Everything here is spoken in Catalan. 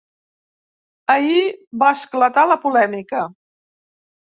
Ahir va esclatar la polèmica.